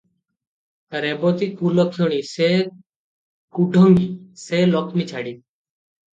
ରେବତୀ କୁଲକ୍ଷଣୀ, ସେ କୁଢଙ୍ଗୀ, ସେ ଲକ୍ଷ୍ମୀଛାଡ଼ୀ।